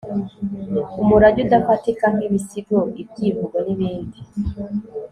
umurage udafatika nk'ibisigo, ibyivugo n'ibindi